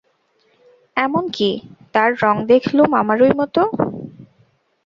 এমন-কি, তাঁর রঙ দেখলুম আমারই মতো।